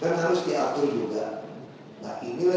ada sekitarnya pak pedak